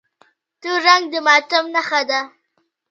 تور رنګ د ماتم نښه ده.